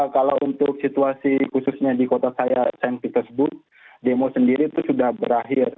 kalau untuk situasi khususnya di kota saya san petersbook demo sendiri itu sudah berakhir